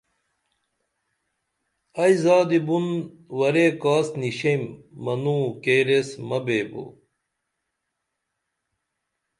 ائی زادی بُن ورے کاس نیشئیم منوں کیر ایس مہ بیبو